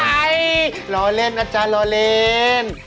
รอเล่นนะจ๊ะรอเล่น